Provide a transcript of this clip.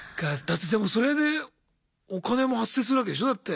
だってでもそれでお金も発生するわけでしょだって。